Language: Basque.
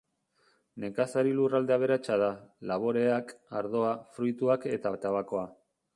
Nekazari lurralde aberatsa da: laboreak, ardoa, fruituak eta tabakoa.